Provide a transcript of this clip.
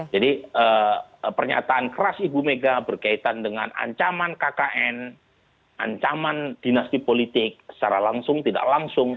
jadi pernyataan keras ibu mega berkaitan dengan ancaman kkn ancaman dinasti politik secara langsung tidak langsung